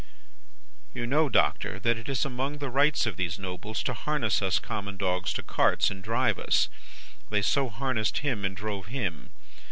"'You know, Doctor, that it is among the Rights of these Nobles to harness us common dogs to carts, and drive us. They so harnessed him and drove him.